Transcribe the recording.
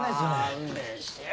勘弁してよ！